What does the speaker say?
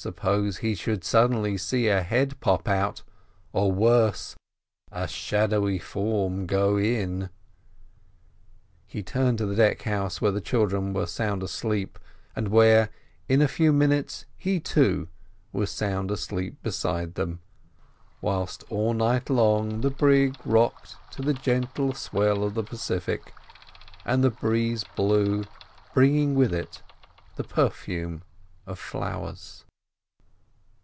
Suppose he should suddenly see a head pop out—or, worse, a shadowy form go in? He turned to the deck house, where the children were sound asleep, and where, in a few minutes, he, too, was sound asleep beside them, whilst all night long the brig rocked to the gentle swell of the Pacific, and the breeze blew, bringing with it the perfume of flowers.